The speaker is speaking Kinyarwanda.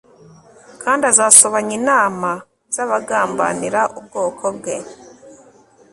kandi azasobanya inama zabagambanira ubwoko bwe